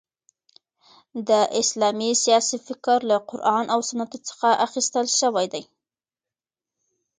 د اسلامی سیاسي فکر له قران او سنتو څخه اخیستل سوی دي.